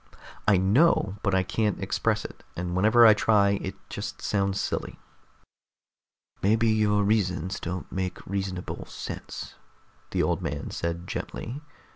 "I know, but I can't express it, and whenever I try, it just sounds silly." "Maybe your reasons don't make reasonable sense," the old man said gently.